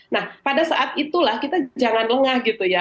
nah pada saat itulah kita jangan lengah gitu ya